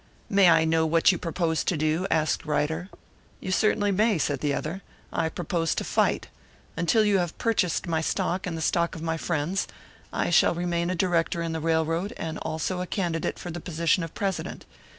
"May I know what you propose to do?" asked Ryder. "You certainly may," said the other. "I propose to fight. Until you have purchased my stock and the stock of my friends, I shall remain a director in the railroad, and also a candidate for the position of president.